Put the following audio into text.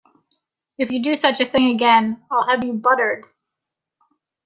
If you do such a thing again, I’ll have you buttered!